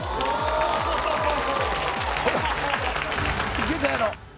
いけたやろ。